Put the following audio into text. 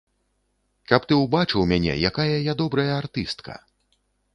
Каб ты ўбачыў мяне, якая я добрая артыстка.